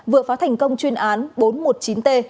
vừa phá thành công chuyên án bốn trăm một mươi chín t